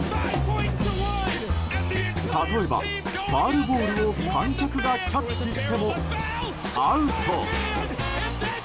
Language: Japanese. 例えば、ファウルボールを観客がキャッチしてもアウト。